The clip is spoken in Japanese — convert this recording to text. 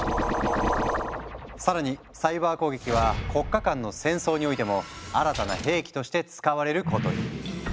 更にサイバー攻撃は国家間の戦争においても新たな兵器として使われることに。